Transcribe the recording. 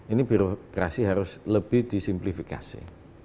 ini birokrasi harus lebih disimplifikasi